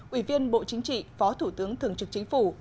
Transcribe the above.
ủy viên bộ chính trị phó thủ tướng thường trực chính phủ